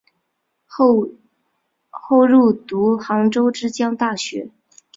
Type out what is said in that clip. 后入读杭州之江大学。